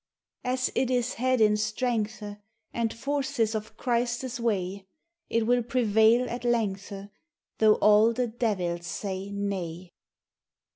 As it is had in strengthe, And forces of Christes wave, It wil prevaile at lengthe, Though all the devils saye naye.